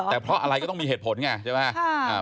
แต่เพราะอะไรก็ต้องมีเหตุผลไงใช่ไหม